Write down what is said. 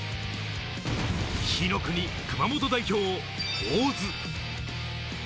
火の国・熊本代表、大津。